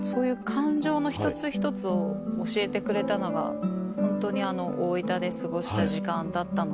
感情の一つ一つを教えてくれたのがホントに大分で過ごした時間だったので。